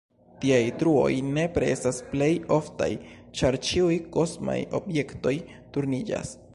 Tiaj truoj nepre estas plej oftaj, ĉar ĉiuj kosmaj objektoj turniĝas.